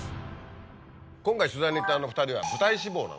今回取材に行ったあの２人は。